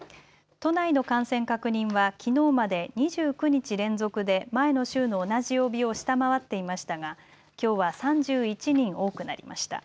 都内の感染確認はきのうまで２９日連続で前の週の同じ曜日を下回っていましたがきょうは３１人多くなりました。